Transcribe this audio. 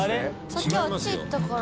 さっきあっち行ったから。